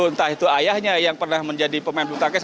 entah itu ayahnya yang pernah menjadi pemain bulu tangkis